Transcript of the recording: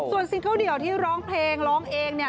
ส่วนซิงเกิลเดี่ยวที่ร้องเพลงร้องเองเนี่ย